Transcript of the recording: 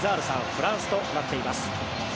フランスとなっています。